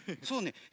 そうね